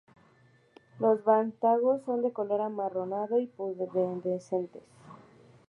Los vástagos son de color amarronado y pubescentes.